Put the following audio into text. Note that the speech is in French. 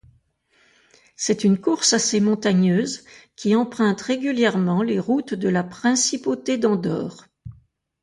C'est une course assez montagneuse, qui emprunte régulièrement les routes de la Principauté d'Andorre.